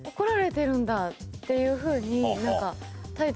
っていうふうに。